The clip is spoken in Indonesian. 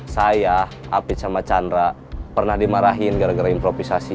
saya apit sama chandra pernah dimarahin gara gara improvisasi